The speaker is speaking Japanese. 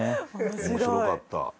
面白かった。